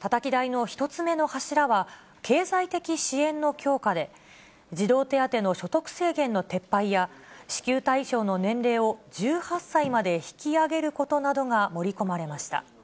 たたき台の１つ目の柱は、経済的支援の強化で、児童手当の所得制限の撤廃や、支給対象の年齢を１８歳まで引き上げることなどが盛り込まれました。